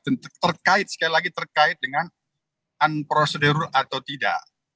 terkait sekali lagi terkait dengan unprocedure atau tidak